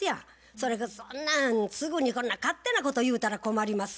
それがそんなんすぐにこんな勝手なこと言うたら困ります。